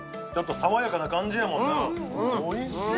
爽やかな感じやもんな、おいしっ！